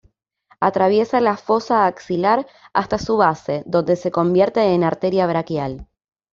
Atraviesa la "fosa axilar" hasta su base, donde se convierte en arteria braquial.